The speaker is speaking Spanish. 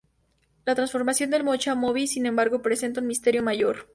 La transformación de "Mocha" a "Moby", sin embargo, presenta un misterio mayor.